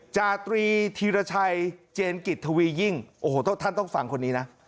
จาตรีธีรชัยเจนกิจทวียิ่งโอ้โหท่านต้องฟังคนนี้นะ